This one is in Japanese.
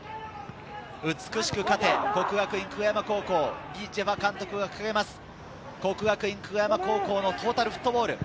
「美しく勝て」、國學院久我山高校、リ・ジェファ監督が掲げます、國學院久我山のトータルフットボール。